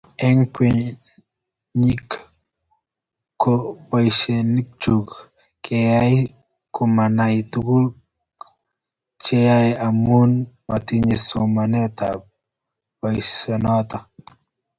Eng kwekeny ko boisionichu keyaei komanai tuguk cheyoei amu motinye somanetab boisionoto